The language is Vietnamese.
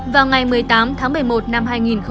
vào ngày một mươi tám tháng một mươi một năm hai nghìn hai mươi